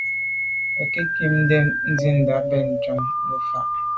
Be ke mbé’te nsindà ben njon lé’njù fa.